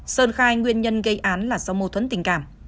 sơn khai nguyên nhân gây án là do mâu thuẫn tình cảm